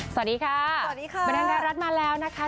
สวัสดีค่ะสวัสดีค่ะบรรเทิงไทยรัฐมาแล้วนะคะ